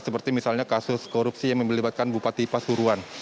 seperti misalnya kasus korupsi yang melibatkan bupati pasuruan